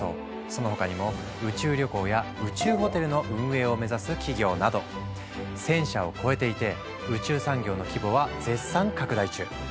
その他にも宇宙旅行や宇宙ホテルの運営を目指す企業など１，０００社を超えていて宇宙産業の規模は絶賛拡大中。